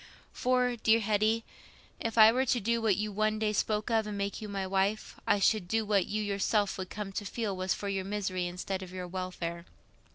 For, dear Hetty, if I were to do what you one day spoke of, and make you my wife, I should do what you yourself would come to feel was for your misery instead of your welfare.